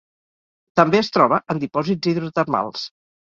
També es troba en dipòsits hidrotermals.